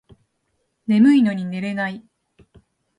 眠いのに寝れない